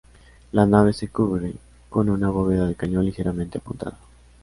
La nave se cubre con una bóveda de cañón ligeramente apuntada.